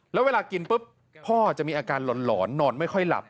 แล้วเวลากินปุ๊บพ่อจะมีอาการหลอนนอนไม่ค่อยหลับ